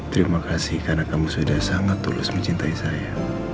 terima kasih karena kamu sudah sangat tulus mencintai saya